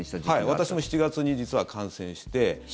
私も７月に実は感染して。